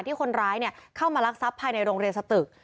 ที่คนร้ายเข้ามาลักทรัพย์ภายในโรงเรียนสตึก